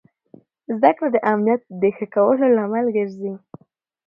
زده کړه د امنیت د ښه کولو لامل ګرځي.